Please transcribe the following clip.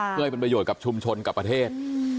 เพื่อให้เป็นประโยชน์กับชุมชนกับประเทศ